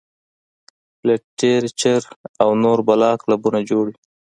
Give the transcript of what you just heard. لټرېچر او نور بلها کلبونه جوړ وي -